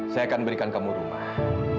saya akan berikan kamu rumah